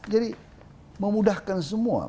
jadi memudahkan semua